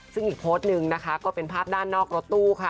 ซึ่งอีกโพสต์หนึ่งนะคะก็เป็นภาพด้านนอกรถตู้ค่ะ